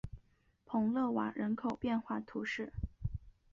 蓬勒瓦人口变化图示